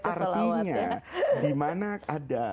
artinya dimana ada